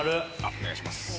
お願いします。